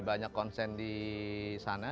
banyak konsen di sana